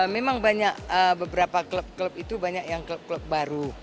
memang banyak beberapa klub klub itu banyak yang klub klub baru